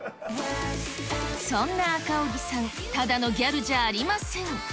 そんな赤荻さん、ただのギャルじゃありません。